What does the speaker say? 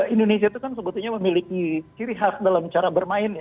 indonesia itu kan sebetulnya memiliki ciri khas dalam cara bermain ya